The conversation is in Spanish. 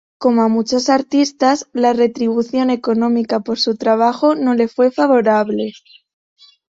Como a muchos artistas, la retribución económica por su trabajo no le fue favorable.